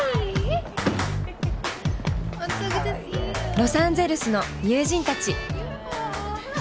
ロサンゼルスの友人たち。